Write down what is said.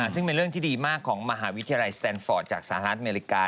ซึ่งเป็นเรื่องที่ดีมากของมหาวิทยาลัยสแตนฟอร์ตจากสหรัฐอเมริกา